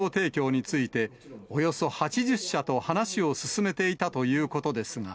職域接種の会場提供について、およそ８０社と話を進めていたということですが。